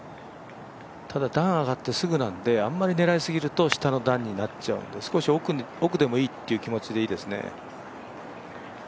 ただ段上がってすぐなんで、あんまり上がりすぎると下の段になっちゃうので、少し奥でもいいという気持ちでいいですね。